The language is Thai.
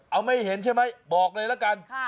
เอาไม่เห็นใช่ไหมบอกเลยละกัน